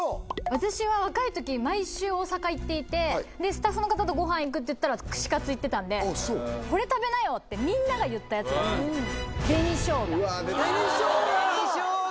私は若いとき毎週大阪行っていてでスタッフの方とごはん行くっていったら串カツ行ってたんでこれ食べなよってみんなが言ったやつなんですようわ出た紅生姜！